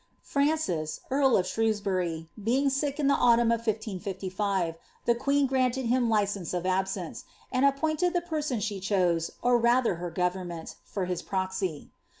Francis, earl of Shrewsbury, being sick In the antnmn of 1555, the queen granted him license of>absrace, and appointed the person eiie ehose, or mther her ffovemment, for his proxy.